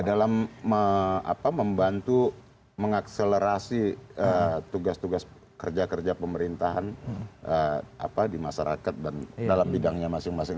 dalam membantu mengakselerasi tugas tugas kerja kerja pemerintahan di masyarakat dan dalam bidangnya masing masing